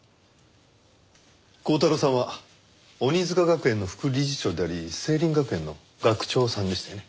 鋼太郎さんは鬼束学園の副理事長であり成林学園の学長さんでしたよね？